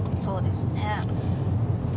そうですね。